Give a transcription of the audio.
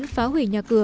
sắp phá hủy nhà cửa